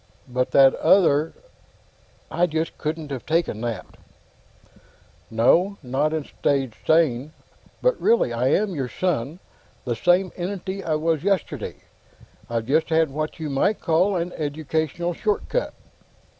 But that other ... I just couldn't have taken that." "No. Not and stayed sane. But really, I am your son; the same entity I was yesterday. I've just had what you might call an educational short cut."